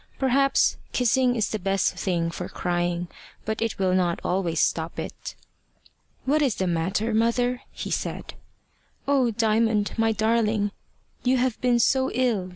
Perhaps kissing is the best thing for crying, but it will not always stop it. "What is the matter, mother?" he said. "Oh, Diamond, my darling! you have been so ill!"